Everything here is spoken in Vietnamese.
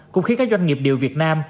cũng khiến các doanh nghiệp điều việt nam